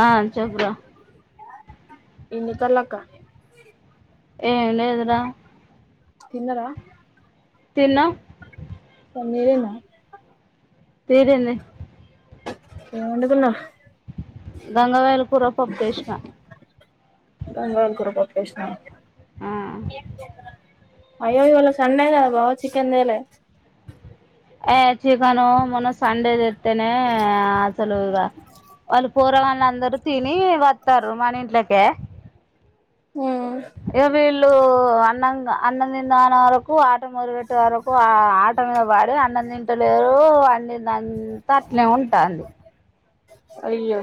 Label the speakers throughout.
Speaker 1: ఆ అన్చె బ్రో
Speaker 2: ఎంచెప్పలక్క
Speaker 1: ఎం లేదు రా
Speaker 2: తిన్నరా
Speaker 1: తిన్నం
Speaker 2: పని తీరిందా
Speaker 1: తిరింది
Speaker 2: ఏం వండుకున్నవు
Speaker 1: గంగావయిల్ కూర పప్పు వేసినా
Speaker 2: గంగ వాఇల్ కూర పప్పు వేసినవ
Speaker 1: ఆ
Speaker 2: అయ్యో ఇవల సండే కద బావ చికెన్ తెలే
Speaker 1: ఏ చికెన్ మొన్న సండే తెచ్ తినే అసలు ఈగ వాళ్ళు పోరాగలు ఇగ అందరు తిని వత్తరు మన ఇంట్లెకే ఇగ వీళ్ళు అన్నంగా అన్నం తిందాం అనె వరకు ఆక ఆట మొదలు పెట్టే వరకు ఆ ఆట మీద పడి అన్నం తింటలేరు వండింది అంతా అట్నే ఉంటాంది.
Speaker 2: అయ్యో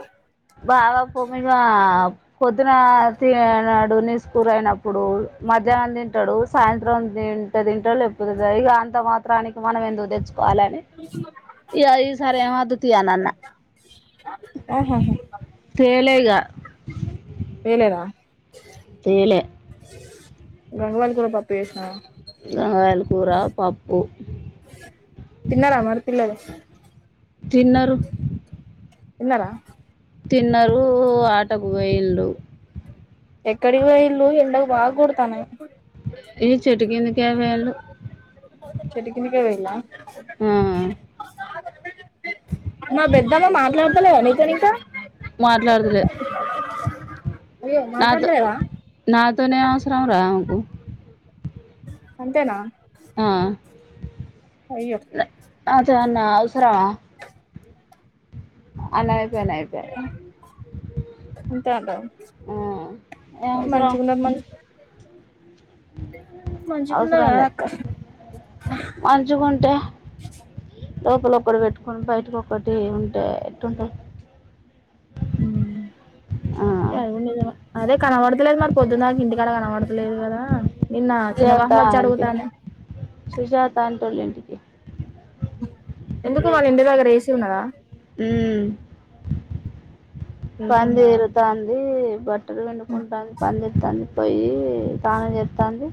Speaker 1: బావా పుంగి గో అప్ పొద్దున తిన్నాడు నీస్కోరా అయినప్పుడు మధ్యాహ్నం తింటాడు సాయంత్రం తింటె తింట డు ఎప్పుడు ఇక అంత మాత్రం దానికి మనం ఎందుకు తెచ్చు వాలనె ఇగ ఇసారి ఏం అవుత్ద్ తీయనన్న
Speaker 2: ఆహ హు
Speaker 1: తేలే ఈగ
Speaker 2: తెలేదా
Speaker 1: తెలె
Speaker 2: గంగవాల్ కూడా పప్ పప్పేసిన
Speaker 1: గంగవాల్ కూర పప్పు
Speaker 2: తిన్నార మరి పిల్లలు
Speaker 1: తిన్నారు
Speaker 2: తిన్నారా
Speaker 1: తిన్నారు ఆటకు వాయిన్లు
Speaker 2: ఎక్కడికి పోయిన్లు ఎండలు బాగా కొడుతున్నాయి
Speaker 1: ఏ చెట్టు కిందికే పోయిన్లు
Speaker 2: చెట్టు కిందికి పోయింన్ల [inaudible]
Speaker 1: ఆ
Speaker 2: నా పెద్దమ్మ మాట్లాడత లేద నీతోని ఇక
Speaker 1: మాట్లాడదులే
Speaker 2: అయ్యో
Speaker 1: నాతో
Speaker 2: మాట్లాడతలేదా
Speaker 1: నాతోనే ఎం అవసరంరా ఆమెకు
Speaker 2: అంతేనా
Speaker 1: ఆ
Speaker 2: అయ్యో
Speaker 1: ఆ చాలా అవసరమా అనయిపో అనయిపో
Speaker 2: అంతే అంటావా
Speaker 1: ఆ ఏం అవసరం
Speaker 2: మంచిగున్నది మంచి మంచిగున్నది
Speaker 1: అవసరం లే
Speaker 2: కాదక్క
Speaker 1: మంచుగుంటే లోపల ఒక్కటి పెట్టుకొని బయటకొక్కటి ఉంటే ఎట్టుంటా
Speaker 2: ఏ అది కూడా నిజమే అదే కనబడతలేదు మరి పొద్దున్నానికి ఇంటికాడ కనబడతలేదు కదా నిన్న చిన్న
Speaker 1: సుజాత
Speaker 2: బాపమ్మ వచ్చి
Speaker 1: అంటీ
Speaker 2: అడుగుతాంది
Speaker 1: సుజాత అంటోళ్ళింటికి
Speaker 2: ఎందుకు మ ఇంటి దగ్గర వేసి ఉన్నదా
Speaker 1: ఆ
Speaker 2: ఏసీ
Speaker 1: పంది
Speaker 2: ఉన్నదా
Speaker 1: ఇరు తాందిీ బ ట్టలు పిండుకుంటాంది పనిచేస్తుంది ప పోయి తానే చెప్తాంది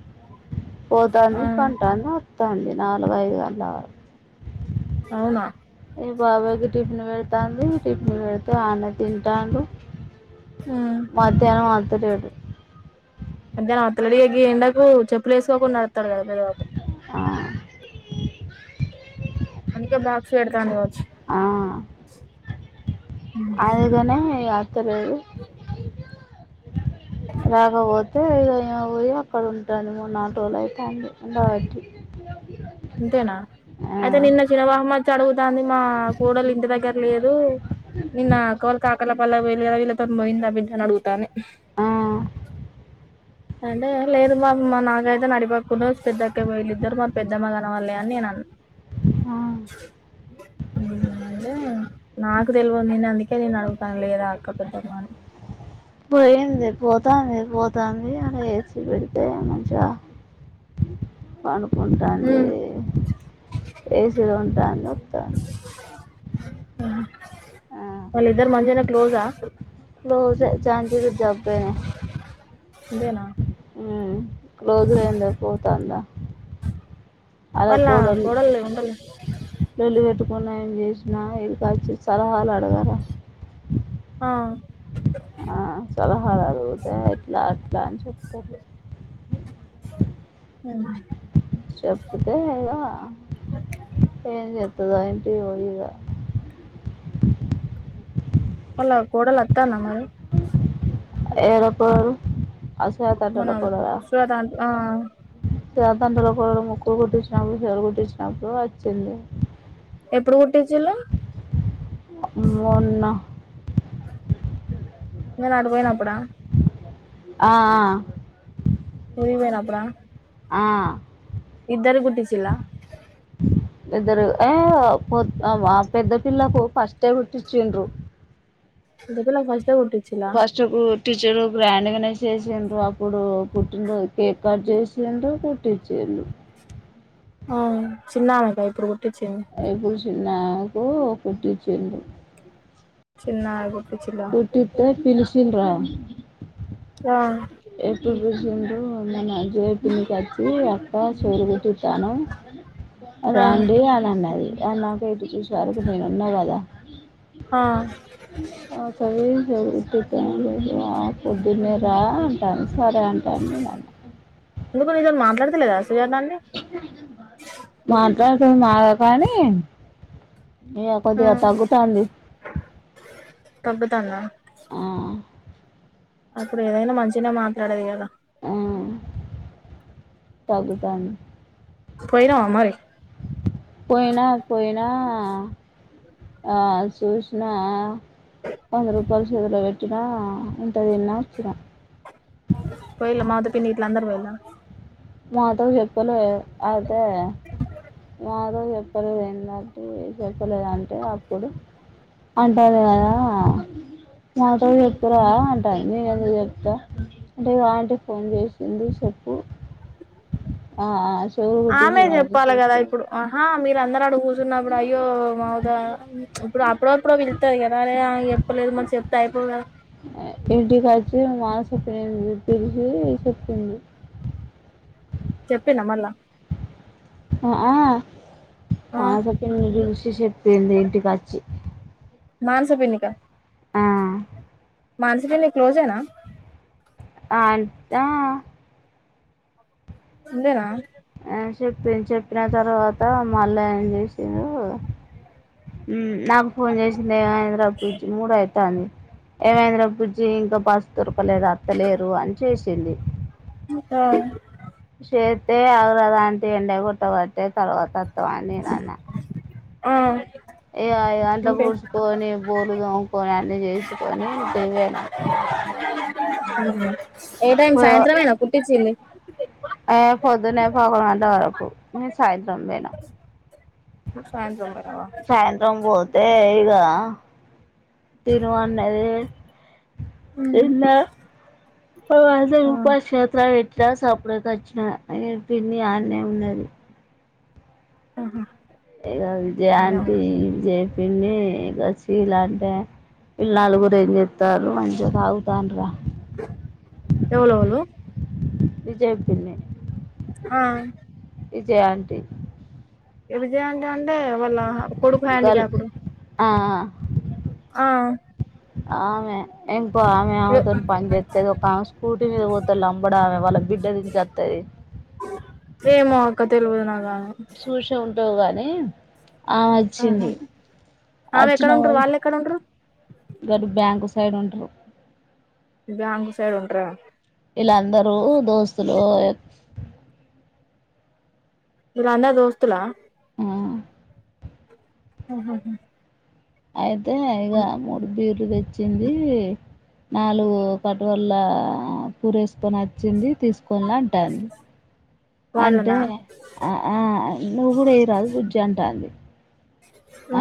Speaker 2: ఆ
Speaker 1: పొతాంది పంటంది వస్తుంది నాలుగైదు గంటల వరకు
Speaker 2: అవునా
Speaker 1: ఏ బాబాయికి టిఫిన్ పెడతాంది టిఫిన్ పెళ్తే ఆన్న తి ట్టాండు
Speaker 2: ఉమ్
Speaker 1: మధ్యాహ్నం మధ అదే అదే
Speaker 2: మధ్యాహ్నం అత్తలడి గి ఎండకు చెప్పులు వేసుకోకుండా నడుస్తాడు కదా పెద్దబాబు
Speaker 1: ఆ
Speaker 2: అందుకే బాక్స్ పెడతాంది కావచ్చు
Speaker 1: అలగానే ఇగ తరే రాకపోతే ఇగ ఈమె పోయి అక్కడుంటాంది మొన్న ఆటోల అయితుంది ఉండబట్టి
Speaker 2: అంతేనా
Speaker 1: ఆ
Speaker 2: అయితే నిన్న చిన మామ అచ్చి అడుగు దాంది మా కోడలు ఇంటి దగ్గర లేదు నిన్న కోల్కాకర్లపల్లి వెళ్లే గదా వీళ్ళతోని పోయిందా బిడ్డ అని అడుగుతాంది హుమ్మ్
Speaker 1: ఆ
Speaker 2: అంటే లేదు మమ్ మా నాగయితే నడిపాక్కును పెద్దక్క వీళ్ళిద్దరూ మరి పెద్ ద్దమ కనబడలే అని నేనన్న
Speaker 1: ఆ
Speaker 2: మ్మ్ అంటే నాకు తెలవదు నేను అందుకే నిన్ను అడుగుతున్నా లేదా అక్క పెద్దమ్మ అని
Speaker 1: పోయింది పోతాంది పోతాంది అలా ఏసి పెడితే మంచిగా పడు ఉంటాంది
Speaker 2: ఉమ్
Speaker 1: ఏసీలో ఉంటాంది వస్తాంది
Speaker 2: వాళ్ళిద్దరూ మంచిగానే క్లోజా
Speaker 1: లోసే ఝాన్సీ కి జబ్బేనే
Speaker 2: ఇదేనా
Speaker 1: ఆమ్ క్లోజ్లేం లేవ్ పోతాందా
Speaker 2: వాళ్ల కోడళ్ళు ఉండల్
Speaker 1: లొల్లి పెట్టుకున్నా ఏం చేసినా ఈడుకొచ్చి సలహాలు అడగరా
Speaker 2: ఆ
Speaker 1: ఆ సలహాలు అడిగితే ఇట్లా అట్లా అని చెప్తారు
Speaker 2: ఉహూమ్
Speaker 1: చెప్తుతే ఇగ ఎం చే వత్తదా ఏంటి ఓ ఇగ
Speaker 2: వాళ్ల కోడలు వత్తాందా మరి
Speaker 1: ఎడ పోరు
Speaker 2: మనాల్ శ్వేత ఆంట్ ఆ ఆ
Speaker 1: చేతండ్రులో కూడా ముక్కులు కుట్టించినప్పుడు చీర కుట్టించినప్పుడు అచ్చింది
Speaker 2: ఎప్పుడు కుట్టటించిల్లు
Speaker 1: మొన్న
Speaker 2: నేను ఆడిపోనప్పుడా
Speaker 1: ఆ ఆ
Speaker 2: స్కూల్ కి పోయినప్పుడా
Speaker 1: ఆ
Speaker 2: ఇద్దరూ కుట్టిచ్చిల్ల
Speaker 1: ఇద్దరు ఎ అ పొ అ పెద్ద పిల్లకు ఫస్టే కుట్టిచుండ్రు
Speaker 2: అందుకనే ఫస్ ఎట్ట కుట్టిచ్చిలా
Speaker 1: టీచర్ గ్రాండ్ గానే చేసిండ్రు అప్పుడు పుట్టినరోజు కేక్ కట్ చేసిండ్రు కుట్టిచ్చిర్రు టీచర్లు
Speaker 2: ఆ చిన్నామెగా ఇప్పుడు పుట్ కుట్టించింది
Speaker 1: చిన్నామెకు కుట్టించిండ్రు
Speaker 2: చిన్నఆగు
Speaker 1: కుట్టితే పిల్స్ ఇచ్చిండ్రా
Speaker 2: ఆ
Speaker 1: ఎప్పుడు చూచిండ్రు మన జ్యోతినిబట్టి అత్తా చెవులు కుట్టితాను.
Speaker 2: ఆ
Speaker 1: రండి అని అన్నది ఏన్నా పే చూసి ఆ రోజు నేను ఉన్న కదా
Speaker 2: ఆ
Speaker 1: హాం అ సవి సవి స పోలేదు ఆ పొద్దున్నే రా అన్టాంది సరే అంటే అండి నేన్
Speaker 2: ఎందుకో నీతో మాట్లాడతలేద అస్
Speaker 1: మాట్లాడత్ తూ మాగా కానీ మీయ్య కొద్దిగా
Speaker 2: ఆంటీ
Speaker 1: తగ్గుతంది
Speaker 2: తగ్గుతాందా
Speaker 1: ఆ
Speaker 2: అప్పుడు ఏదైనా మంచినే మాట్లాడేది కదా
Speaker 1: ఆ తగ్గుతాంది.
Speaker 2: పోయిరావా మరి
Speaker 1: పోయినా పోయినా ఆ చూసినా కొంద్రు గొలుసులిగా పెట్టినా ఇంతతిన్నా వచ్చిన
Speaker 2: పోయిలా మాతో పిన్ని ఈట్లా అందరు పోయిల
Speaker 1: మాతో చెప్పలే అదే మాతో జెప్పలేదు ఏంటంటే చెప్పలేదంటే అప్పుడు అంటంది కదా మాతోచెప్పురా అంటంది నేను ఎందుకు చెప్తా అంటే ఆంటి ఫోన్ చేసింది చెప్పు ఆ, చెవులు
Speaker 2: ఆమె
Speaker 1: కుట్టించుకోండి
Speaker 2: చెప్పాలి కదా
Speaker 1: చెప్పు
Speaker 2: ఇప్పుడు ఆహా మీరందరూ ఆడ కూర్చున్నప్పుడు అయ్యో మమత ఇప్ప్ అప్పుడప్పుడు పిలుత్తది కదనే నాకు చెప్పలేదు చెప్తే అయిపోగా
Speaker 1: ఇగ మానస పేరు పిలిచి చెప్పింది.
Speaker 2: చెప్పిందా మల్ల
Speaker 1: అ ఆ
Speaker 2: ఆ
Speaker 1: మానాస వచ్చింది చూసీ చూసి చెప్పింది ఇంటికొచ్చి
Speaker 2: మానస పిన్నిక మానస పిన్ని క్లోజ్ ఏనా
Speaker 1: ఆంటీ ఆ
Speaker 2: ఇందేనా
Speaker 1: ఆ చెప్పింది చెప్పిన తర్వాత మళ్ళా ఏం చేసింరూ మ్మ్ నాకు ఫోన్ చేసింది ఏం అయింది రా బుజ్జి ప మూడ అవుతుంది ఏం అయ్యింది రా బుజ్జి ఇంకా పాస్తూరు లేదు అత్తలేరు అని చేస్ చెల్లి
Speaker 2: మ్మ్ ఆ
Speaker 1: శత్తే ఆగరాదు ఆంటీ ఎండ గొట్టవట్టే తర్వాత వత్తవా అని నేను అన్నా
Speaker 2: ఆ
Speaker 1: ఏ అయి అంట్లా
Speaker 2: ఉంటే
Speaker 1: కూర్చుకొని బోలు దోముకోని ఆ అన్నీ చేసుకొనిన్ చేవేడం
Speaker 2: హూ హుమ్ ఏ టైం సాయంత్రమేనా కుట్టిచ్చింది
Speaker 1: అయే పొద్దునే పదకొండు గంటల వరకు నేను సాయంత్రం పోయినా
Speaker 2: న్ సాయంత్రం పోయి
Speaker 1: సాయంత్రం పోోత్ తే ఇగా తినువాన్నది తిన్న తరువాత
Speaker 2: ఆ
Speaker 1: రూపాయి చేతులా పెట్టి ఇద సపుడ కి వచ్చిన ఇగ పిన్ని అన్నే ఉండది
Speaker 2: ఆహా
Speaker 1: ఏదో విజయ
Speaker 2: బానే
Speaker 1: ఆంటీ
Speaker 2: ఉంది
Speaker 1: జె పిన్ని గసి ఇలా అంటే వీళ్ళు నలుగురు ఏం చెత్తారు మంచిగా తగుతాను రా
Speaker 2: ఎవలెవలు
Speaker 1: విజయ పిన్ని
Speaker 2: ఆ
Speaker 1: విజయ ఆంటీ
Speaker 2: ఎ విజయ ఆంటీ అంటే వాళ్ళ కొడుకు
Speaker 1: గల్
Speaker 2: హ్యాండీక్యాప్డ్
Speaker 1: ఆ
Speaker 2: ఆ
Speaker 1: ఆమె ఎం ప్పు ఆమె ఆమెతో పనిచస్తది ఒక ఆమె స్కూటీ మీద పోత లంబడా ఆమె వాళ్ళ బిడ్డ దించి వస్తది
Speaker 2: పక్క తెలుగుదు నా
Speaker 1: సూచె ఉంట ఆ గానే ఆ
Speaker 2: ఆహా
Speaker 1: వచ్చింది
Speaker 2: ఆమె
Speaker 1: వచ్చిన
Speaker 2: ఎక్కడ ఉంటరు
Speaker 1: వాళ్ళు
Speaker 2: ఎక్కడ ఉంటరు
Speaker 1: గరి బ్యాంక్ వస్తు సైడ్ ఉంటరు
Speaker 2: ఇ బ్యాంకు సైడ్ ఉంటరా
Speaker 1: అందరూ దోస్తులు
Speaker 2: మీరు అందరూ దోస్తలా
Speaker 1: ఆ
Speaker 2: ఆహ్ హహ
Speaker 1: అయిదు అయితే ఇగా మూడు బీర్లు తెచ్చింది నాలుగు కటువల పూరేసుకొనిచ్చింది తీసుకోన్లే అంటాంది అంటే
Speaker 2: వాళ్ళనా
Speaker 1: ఆ ఆ నువ్వు కూడా వెయ్య రాదు బుజ్జి అంటాంది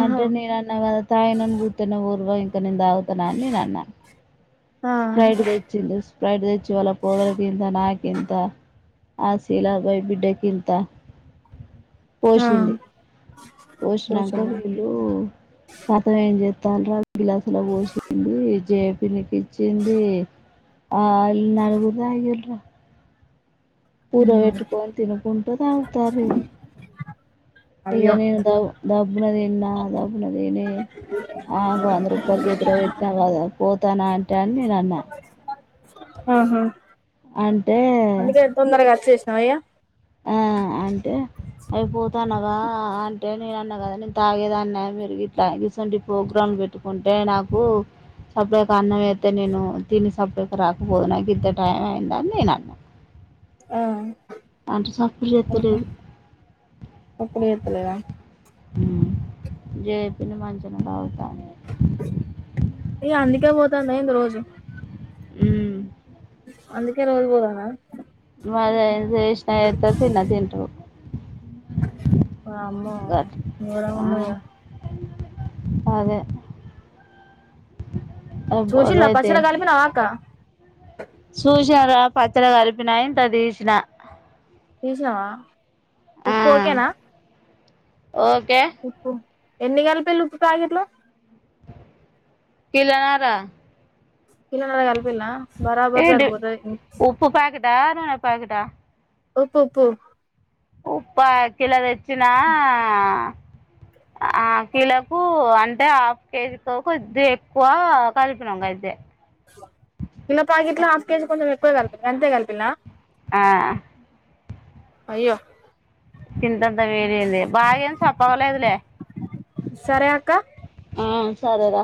Speaker 2: ఆహా
Speaker 1: నేనన్నా కదా తాగినోన్ని చూస్తే నువ్వు ఊరువయా ఇక నేను తాగుతానా అని నేనన్నా
Speaker 2: ఆ
Speaker 1: స్ప్రైట్ తెచ్చిండు స్పైట్ తెచ్చి వాళ్ళ కోడలకింత నాకింత ఆ శీలా భాయి బిడ్డకింత
Speaker 2: ఆ
Speaker 1: పోసింది పోసినంక
Speaker 2: కూర్చున్నా
Speaker 1: వీళ్ళు పాతదయింది అని చెప్పి తరు గ్లాసులో పోసింది జే తినేకి జింది ఆ ఇల్లు నలుగురిదా ఐదుగురిదా కూర పెట్టుకోని తినుకుంట తాగుతారు ఇగ ఇగ
Speaker 2: అయ్యో
Speaker 1: నేను దవ ద ఇబ్బుడు తిన్న కదా, అబ్బుడు తిని. ఆ వంద రూపాయలు చేతిలో పెట్టి అలా కదా పోతానా అంటె అని నేనన్నా
Speaker 2: అహా
Speaker 1: అంటే
Speaker 2: అందుకే నేను తొందరగా వచ్చేసి తవయా
Speaker 1: ఆ అంటే అయిపోతు వత్తన్నావా అంటే నేను అన్ తిన్నా కదా నేను తాగేదాన్న మీరు ఇట్ల ఇసువంటి ప్రోగ్రామ్ పెట్టుకుంటే నాకు సపడక అన్నం అయితే నేను తిని సప్పలేక రాకపోదు నాకు ఇంత టైం అయిందని నేను అన్నా
Speaker 2: ఆ
Speaker 1: అంటే సప్పుడు చేత్తలేదు
Speaker 2: అప్పుడు చేత్తలేదా
Speaker 1: ఉ జేపీని మంచునా తాగుతా
Speaker 2: ఏ అందుకే పోతాంద ఎంది రోజు
Speaker 1: ఉ
Speaker 2: అందుకే రోజు పోతాంద
Speaker 1: వాళ్ళు ఏం చేసినా ఎంత తిన్న తింటరు
Speaker 2: వామ్మో
Speaker 1: గట్ల ఆ
Speaker 2: ఇంగేమనది ఇగ
Speaker 1: అదే
Speaker 2: చూశిల్లా
Speaker 1: బుర్రైతే
Speaker 2: పచ్చడ కలిపినావా అక్కా
Speaker 1: జర పచ్చడి కలిపినా ఇంత తీసిన
Speaker 2: తిసినావా
Speaker 1: ఆ
Speaker 2: ఉప్పు ఓకేనా
Speaker 1: ఓకే
Speaker 2: ఉప్పు ఎన్ని కలిపిల్లు ఉప్పు ప్యాకిట్లు
Speaker 1: కిలనారా
Speaker 2: కిలోన్నార కల్ పిల్ల బరాబర్ సారిపోత [inaudible]
Speaker 1: [inaudible] ప్యాకిటా
Speaker 2: ఉప్పు ఉప్పు
Speaker 1: ఉప్పా కిలో తెచ్చిన ఆ కీలోకు అం అంటే హాఫ్ కేజీకు కొద్దిగ ఎక్కువ కలిపినం గంతే
Speaker 2: కిలో ప్యాకెట్లో హాఫ్ కేజీ కొంచెం ఎక్కువ కలిపిల్ గంతే కలిపిల్ల
Speaker 1: ఆ
Speaker 2: అయ్యో
Speaker 1: గింతంతా వేడిగయింది బాగా ఏం సప్పగలేదులే
Speaker 2: సరేఅక్క
Speaker 1: ఆ సరేర